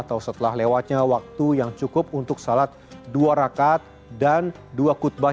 atau setelah lewatnya waktu yang cukup untuk salat dua rakat dan dua khutbah